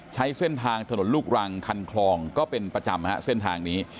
ใช้เส้นทางถนนลูกรังคันคลองก็เป็นประจำฮะเส้นทางนี้